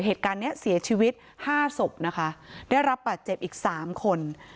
เหตุการณ์เนี้ยเสียชีวิตห้าศพนะคะได้รับบาดเจ็บอีกสามคน